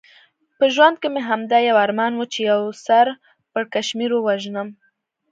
په ژوند کې مې همدا یو ارمان و، چې یو سر پړکمشر ووژنم.